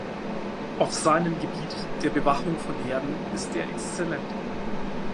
Auf seinem Gebiet, der Bewachung von Herden, ist er exzellent.